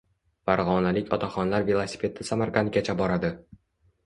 Farg‘onalik otaxonlar velosipedda Samarqandgacha boradi